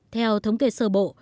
theo thống kê sơ bộ